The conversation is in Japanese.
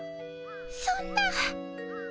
そんな。